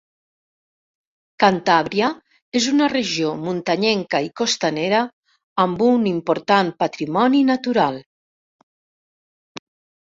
Cantàbria és una regió muntanyenca i costanera, amb un important patrimoni natural.